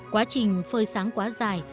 quá trình phơi sáng quá dài